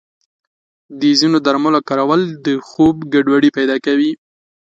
د ځینو درملو کارول د خوب ګډوډي پیدا کوي.